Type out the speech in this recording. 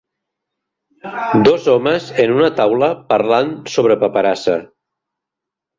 Dos homes en una taula parlant sobre paperassa.